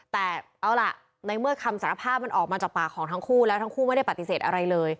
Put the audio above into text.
แต่เอาล่ะในเมื่อคำสารภาพมันออกมาจากปากของทั้งคู่แล้วทั้งคู่ไม่ได้ปฏิเสธอะไรเลย